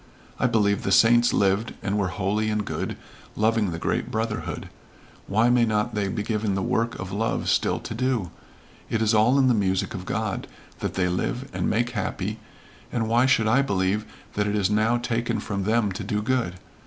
I believe the saints lived and were holy and good, loving the great brotherhood. Why may not they be given the work of love still to do? It is all in the music of God, that they live, and make happy, and why should I believe that it is now taken from them to do good?